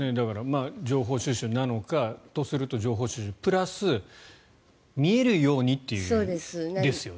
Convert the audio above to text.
情報収集なのか。とすると情報収集プラス見えるようにということですよね。